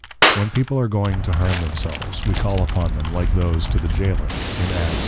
When people are going to Harm themselves, we call upon them, like those to the Jailor, in _Acts 16.